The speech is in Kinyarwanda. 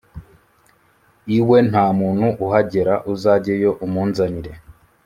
iwe nta muntu uhagera, uzajyeyo umunzanire."